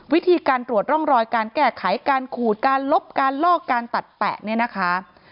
วิธีการตรวจร่องรอยการแก้ไขการขูดการลบการลอกการตัดแปะเนี่ยนะคะ